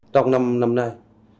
trong năm nay